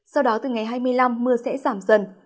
sau đó từ ngày hai mươi năm mưa sẽ giảm dần